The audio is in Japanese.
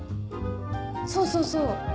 そうそうそう。